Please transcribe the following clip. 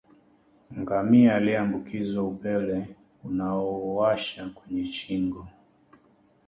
Ngamia aliyeambukizwa upele unaowasha kwenye shingo